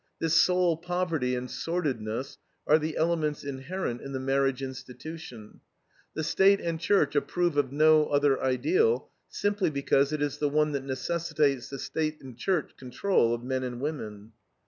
This soul poverty and sordidness are the elements inherent in the marriage institution. The State and Church approve of no other ideal, simply because it is the one that necessitates the State and Church control of men and women.